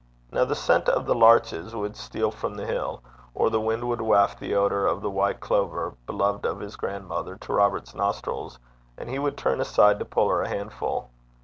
Now the scent of the larches would steal from the hill, or the wind would waft the odour of the white clover, beloved of his grandmother, to Robert's nostrils, and he would turn aside to pull her a handful.